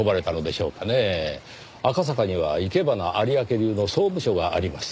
赤坂にはいけばな有明流の総務所があります。